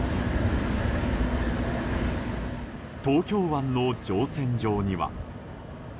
東京湾の乗船場には。